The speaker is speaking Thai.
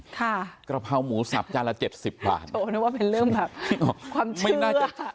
ค่ะกระพราวหมูสับจ้านละเจ็ดสิบบาทโอ้นึกว่าเป็นเรื่องแบบความเชื่อ